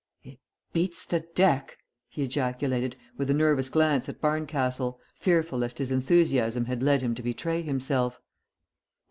"It beats the deck!" he ejaculated, with a nervous glance at Barncastle, fearful lest his enthusiasm had led him to betray himself.